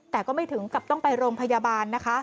แต่ก็ไม่ถึงกับต้องไปโรงพยาบาลนะคะ